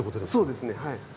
そうですねはい。